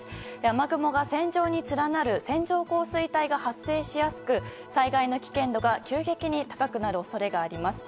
雨雲が線状に連なる線状降水帯が発生しやすく災害の危険度が急激に高くなる恐れがあります。